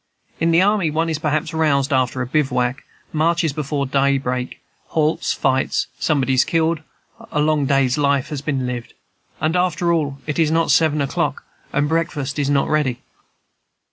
In the army one is perhaps roused after a bivouac, marches before daybreak, halts, fights, somebody is killed, a long day's life has been lived, and after all it is not seven o'clock, and breakfast is not ready.